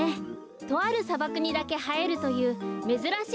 とあるさばくにだけはえるというめずらしいきです。